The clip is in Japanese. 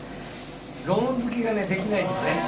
ローン付けがねできないんですね